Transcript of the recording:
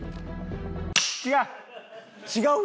違う！